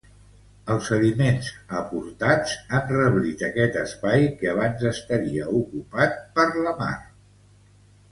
Els sediments aportats han reblit aquest espai que abans estaria ocupat per la mar.